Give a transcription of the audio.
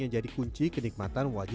yang jadi kunci kenikmatan wajah cetak